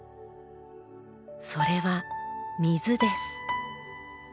それは水です。